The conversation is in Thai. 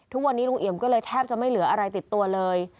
ทุกวันนี้ลุงเอี่ยมก็เลยแทบจะไม่เหลืออะไรติดตัวเลย